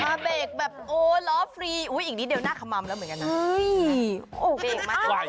เบรกแบบโอ้ล้อฟรีอุ้ยอีกนิดเดียวหน้าขมัมแล้วเหมือนกันนะ